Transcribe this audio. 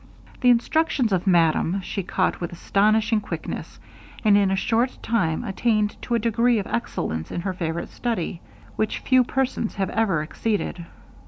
The instructions of madame she caught with astonishing quickness, and in a short time attained to a degree of excellence in her favorite study, which few persons have ever exceeded.